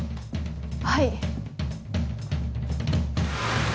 はい。